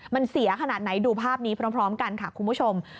มันเสียขนาดไหนดูภาพนี้พร้อมกันค่ะคุณผู้ชม